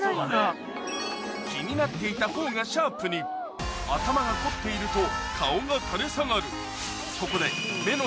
気になっていた頬がシャープに頭が凝っていると顔が垂れ下がる